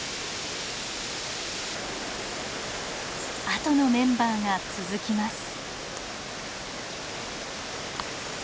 あとのメンバーが続きます。